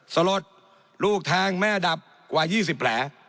สลดลูกแทงแม่ดับกว่า๒๐แผล